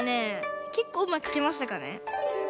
けっこううまくかけましたかね？